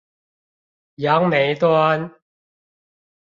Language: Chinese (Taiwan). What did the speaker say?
楊梅端